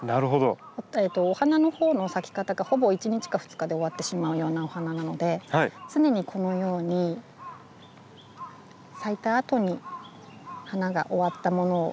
お花のほうの咲き方がほぼ１日か２日で終わってしまうようなお花なので常にこのように咲いたあとに花が終わったものを取っていく必要があるんですね。